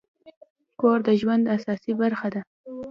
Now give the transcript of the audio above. کور د ژوند اساسي برخه ده.